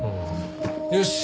よし。